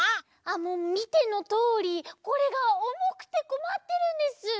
もうみてのとおりこれがおもくてこまってるんです。